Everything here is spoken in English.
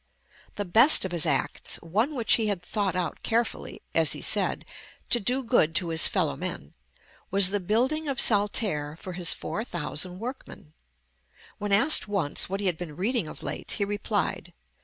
The best of his acts, one which he had thought out carefully, as he said, "to do good to his fellow men," was the building of Saltaire for his four thousand workmen. When asked once what he had been reading of late, he replied.